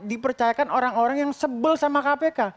dipercayakan orang orang yang sebel sama kpk